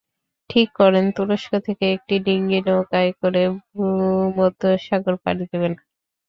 ঠিক করেন তুরস্ক থেকে একটি ডিঙি নৌকায় করে ভূমধ্যসাগর পাড়ি দেবেন।